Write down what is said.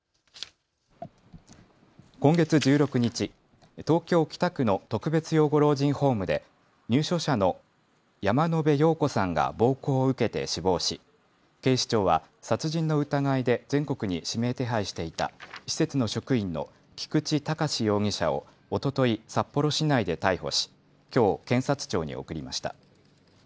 今月１６日、東京北区の特別養護老人ホームで入所者の山野邉陽子さんが暴行を受けて死亡し警視庁は殺人の疑いで全国に指名手配していた施設の職員の菊池隆容疑者をおととい札幌市内で逮捕しきょう検察庁に送りました。